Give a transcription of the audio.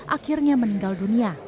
akhirnya meninggal dunia